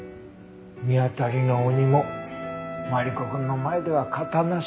ミアタリの鬼もマリコくんの前では形無しか。